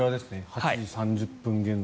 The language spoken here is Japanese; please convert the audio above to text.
８時３０分現在。